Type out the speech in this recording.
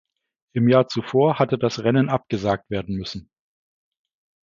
Im Jahr zuvor hatte das Rennen abgesagt werden müssen.